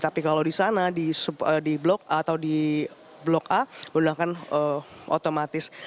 tapi kalau di sana di blok a atau di blok a menggunakan otomatis